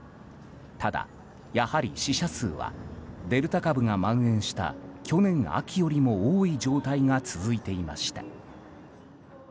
ただ、やはり死者数はデルタ株が蔓延した去年秋よりも多い状態が続いていました。